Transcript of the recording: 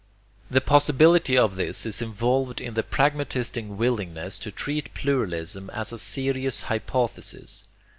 The possibility of this is involved in the pragmatistic willingness to treat pluralism as a serious hypothesis.